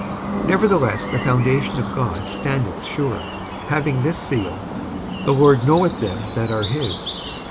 55:002:019 Nevertheless the foundation of God standeth sure, having this seal, The Lord knoweth them that are his.